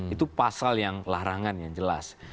itu pasal yang larangan yang jelas